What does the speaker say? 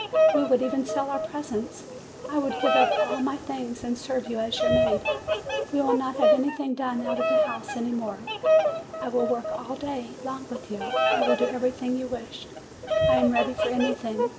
We would even sell our presents. I would give up all my things, and serve you as your maid. We will not have anything done out of the house any more, I will work all day long with you, I will do everything you wish, I am ready for anything!